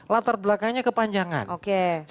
latar belakangnya kepanjangan oke